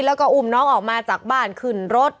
แล้วก็อุ้มน้องออกมาจากบ้านขึ้นรถ